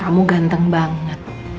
kamu ganteng banget